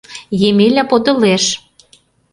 Емеля подылеш.